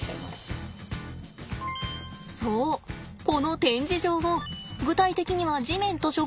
そうこの展示場を具体的には地面と植物を変えたんです。